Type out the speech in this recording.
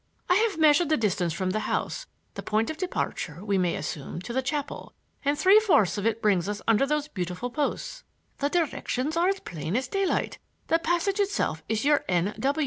I have measured the distance from the house, the point of departure, we may assume, to the chapel, and three fourths of it brings us under those beautiful posts. The directions are as plain as daylight. The passage itself is your N.